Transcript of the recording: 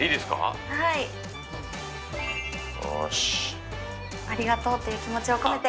ありがとうっていう気持ちを込めて。